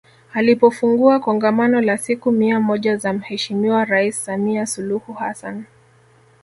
Alipofungua Kongamano la siku mia moja za Mheshimiwa Rais Samia Suluhu Hassan